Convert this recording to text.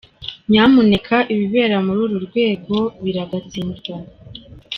nyamuneka ibibera muri uru rwego biragatsindwa.